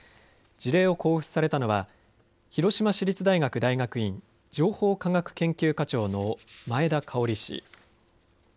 辞令を交付されたのは、広島市立大学大学院情報科学研究科長の前田香織氏。